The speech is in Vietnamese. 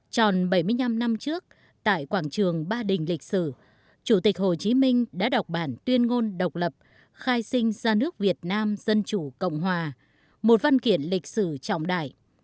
tròn bảy mươi năm năm trước tại quảng trường ba đình lịch sử chủ tịch hồ chí minh đã đọc bản tuyên ngôn độc lập khai sinh ra nước việt nam dân chủ cộng hòa một văn kiện lịch sử trọng đại